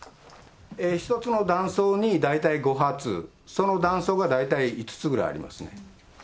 １つの弾倉に大体５発、その弾倉が大体５つぐらいありますね。